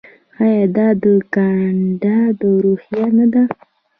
آیا دا د کاناډا روحیه نه ده؟